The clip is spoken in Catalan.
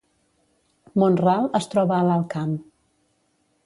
Mont-ral es troba a l’Alt Camp